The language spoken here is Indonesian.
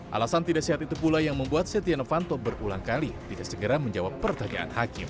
alasan tidak sehat itu pula yang membuat setia novanto berulang kali tidak segera menjawab pertanyaan hakim